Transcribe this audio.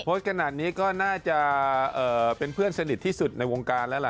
ขนาดนี้ก็น่าจะเป็นเพื่อนสนิทที่สุดในวงการแล้วล่ะ